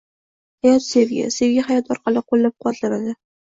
Hayot sevgi, sevgi hayot orqali qo'llab-quvvatlanadi